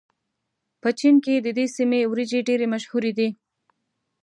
په چين کې د دې سيمې وريجې ډېرې مشهورې دي.